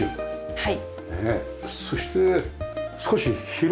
はい。